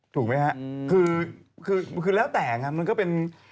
ถูกไหมฮะคือแล้วแต่มันก็เป็น